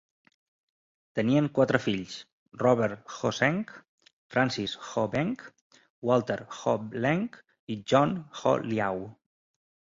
Tenien quatre fills: Robert Kho-Seng, Francis Kho-Beng, Walter Kho-Leng i John Kho-Liau.